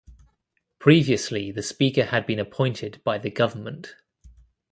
Previously, the Speaker had been appointed by the government.